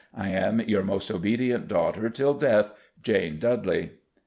I am, your most obedient daughter till death, JANE DUDLEY."